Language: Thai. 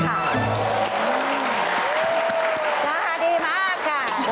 จ้าดีมากค่ะ